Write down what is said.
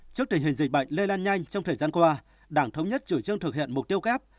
trước tình hình dịch bệnh lây lan nhanh trong thời gian qua đảng thống nhất chủ trương thực hiện mục tiêu kép